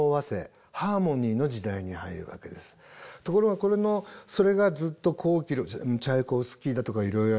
ところがこれのそれがずっとこう起きるチャイコフスキーだとかいろいろありました。